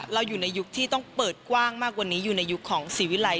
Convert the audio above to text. เราอยู่ในยุคที่ต้องเปิดกว้างมากกว่านี้อยู่ในยุคของศรีวิรัย